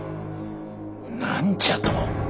何じゃと？